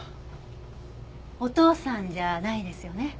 お父さんじゃないですよね？